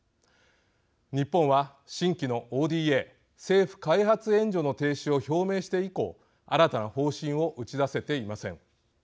日本は新規のＯＤＡ政府開発援助の停止を表明して以降新たな方針を打ち出せていません。